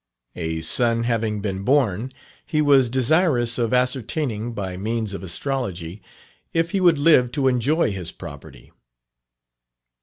A son having been born, he was desirous of ascertaining, by means of astrology, if he would live to enjoy his property.